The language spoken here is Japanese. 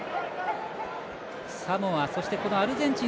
サモア、そして、アルゼンチン